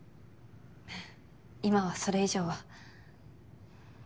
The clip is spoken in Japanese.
今はそれ以上は。